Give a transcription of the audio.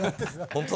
本当？